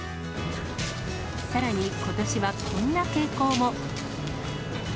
さらに、ことしはこんな傾向も。